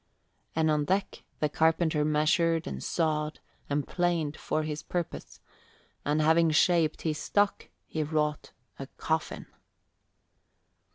And on deck the carpenter measured and sawed and planed for his purpose; and having shaped his stock he wrought a coffin.